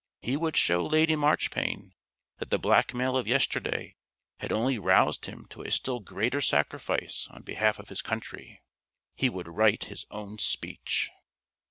He would show Lady Marchpane that the blackmail of yesterday had only roused him to a still greater sacrifice on behalf of his country. _He would write his own speech.